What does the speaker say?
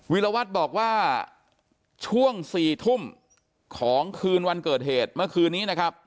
วิลวัตรบอกว่าช่วง๔ทุ่มของคืนวันเกิดเหตุเมื่อคืนนี้นะครับ